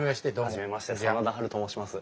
初めまして真田ハルと申します。